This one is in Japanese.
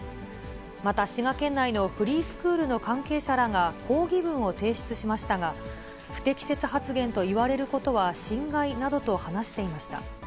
また滋賀県内のフリースクールの関係者らが抗議文を提出しましたが、不適切発言と言われることは心外などと話していました。